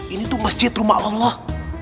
ini tuh masjid rumah allah